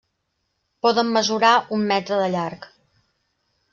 Poden mesurar un metre de llarg.